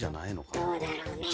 どうだろうね。